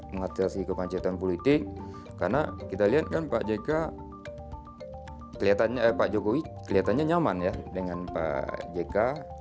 mengatasi kemacetan politik karena kita lihat kan pak jk kelihatannya pak jokowi kelihatannya nyaman ya dengan pak jk